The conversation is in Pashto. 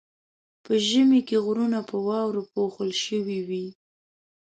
په ژمي کې غرونه په واورو پوښل شوي وي.